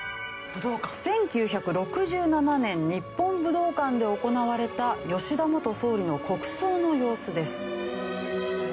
１９６７年日本武道館で行われた吉田元総理の国葬の様子です。